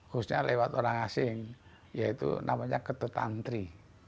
khususnya lewat orang asing yaitu namanya ketutantri